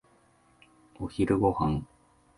お昼ご飯。